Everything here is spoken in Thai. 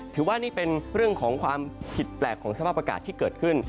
ถือว่าเป็นเรื่องของความผิดแปลกของสภาพอากาศที่เกิดขึ้น